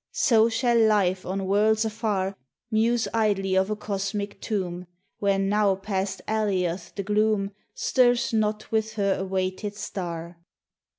so shall Life on worlds afar Muse idly of a cosmic tomb, Where now past Alioth the gloom Stirs not with her awaited star.